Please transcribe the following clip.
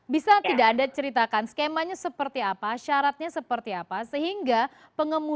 bisa tidak anda ceritakan skemanya seperti apa syaratnya seperti apa